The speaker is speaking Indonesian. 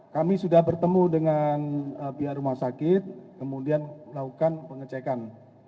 kami sudah bertemu dengan pihak rumah sakit kemudian melakukan pengecekan